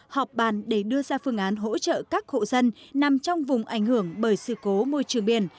họp bàn để đưa ra phương án hỗ trợ các hộ dân nằm trong vùng ảnh hưởng bởi sự cố môi trường biển